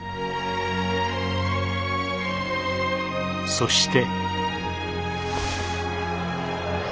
そして。